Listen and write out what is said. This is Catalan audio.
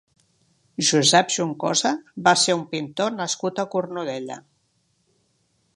Josep Juncosa va ser un pintor nascut a Cornudella.